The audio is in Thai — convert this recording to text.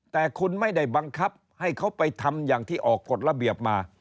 แต่คุณไม่ได้บังคับให้เขาไปทำอย่างที่ออกกฎระเบียบมา